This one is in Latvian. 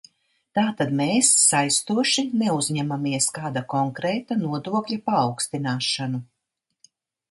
Tātad mēs saistoši neuzņemamies kāda konkrēta nodokļa paaugstināšanu.